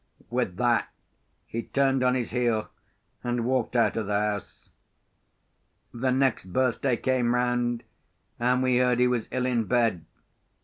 With that, he turned on his heel, and walked out of the house. The next birthday came round, and we heard he was ill in bed.